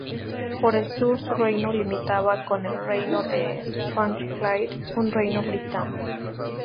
Por el sur su reino limitaba con el Reino de Strathclyde, un reino britano.